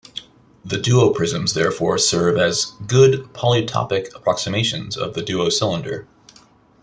The duoprisms therefore serve as good polytopic approximations of the duocylinder.